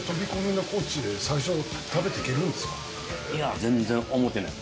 いや全然思ってない。